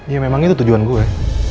ya memang itu tujuan gue